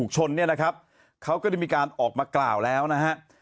ก็จะมีการออกมากล่าวแล้วนะฮะ